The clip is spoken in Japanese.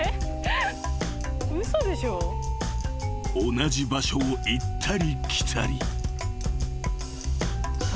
［同じ場所を行ったり来たり］